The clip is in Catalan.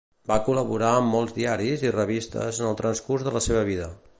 Va col·laborar amb molts diaris i revistes en el transcurs de la seva vida.